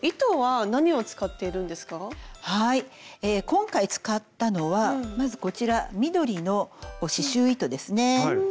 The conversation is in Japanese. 今回使ったのはまずこちら緑の刺しゅう糸ですね。